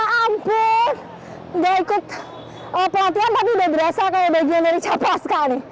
walaupun gak ikut pelatihan tapi udah berasa kayak bagian dari capas kak ini